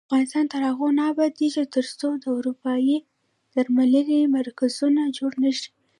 افغانستان تر هغو نه ابادیږي، ترڅو د اروايي درملنې مرکزونه جوړ نشي.